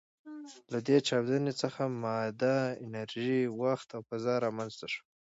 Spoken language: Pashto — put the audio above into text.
له دې چاودنې څخه ماده، انرژي، وخت او فضا رامنځ ته شول.